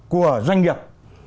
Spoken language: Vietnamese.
của doanh nghiệp